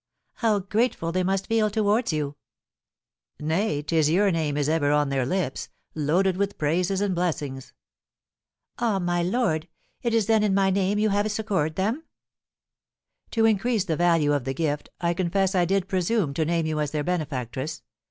"How grateful they must feel towards you!" "Nay, 'tis your name is ever on their lips, loaded with praises and blessings." "Ah, my lord, is it then in my name you have succoured them?" "To increase the value of the gift, I confess I did presume to name you as their benefactress.